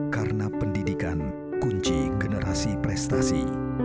karena pendidikan kunci generasi prestasi